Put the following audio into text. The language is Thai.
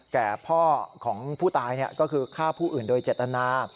แก่พ่อของผู้ตายก็คือฆ่าผู้อื่นโดยเจตนา